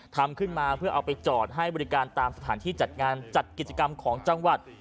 ทำขึ้นมาเพื่อเอาไปจอดให้บริการตามสถานที่จัดงานจัดกิจกรรมของจังหวัด